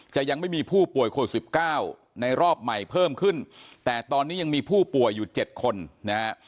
จะยังไม่มีผู้ป่วยโควิดสิบเก้าในรอบใหม่เพิ่มขึ้นแต่ตอนนี้ยังมีผู้ป่วยอยู่เจ็ดคนนะครับ